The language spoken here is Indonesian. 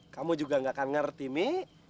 kamu juga gak akan ngerti mi